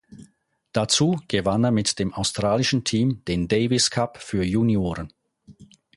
Dazu gewann er mit dem australischen Team den Davis Cup für Junioren.